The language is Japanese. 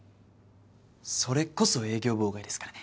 それこそ営業妨害ですからね。